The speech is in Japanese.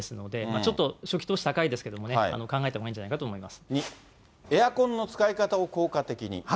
ちょっと初期投資高いですけど、考えたほうがいいんじゃないかとエアコンの使い方を効果的に。